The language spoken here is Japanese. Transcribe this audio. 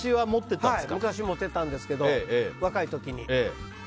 昔、持ってたんですけど若い時に。